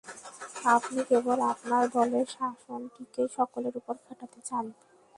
আপনি কেবল আপনার দলের শাসনটিকেই সকলের উপর খাটাতে চান?